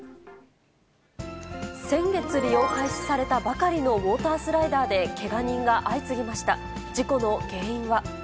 先月利用開始されたばかりのウォータースライダーでけが人が相次ぎました。